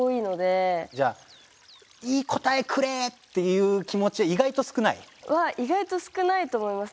じゃあいい答えくれっていう気持ちは意外と少ない？は意外と少ないと思います。